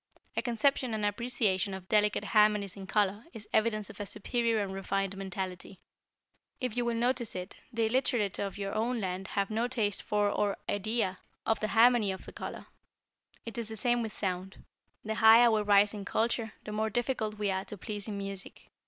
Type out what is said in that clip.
A conception and appreciation of delicate harmonies in color is evidence of a superior and refined mentality. If you will notice it, the illiterate of your own land have no taste for or idea of the harmony of color. It is the same with sound. The higher we rise in culture, the more difficult we are to please in music.